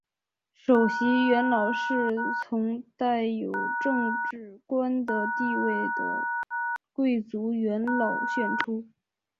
首席元老是从带有执政官的地位的贵族元老选出。